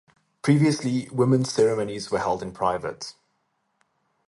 Previously women's ceremonies were held in private.